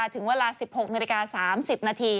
ถึงเวลา๑๖น๓๐น